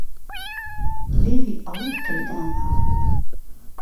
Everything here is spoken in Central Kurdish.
لێوی ئهڵهی قهیتانه